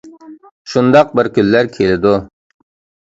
شۇنداق بىر كۈنلەر كېلىدۇ.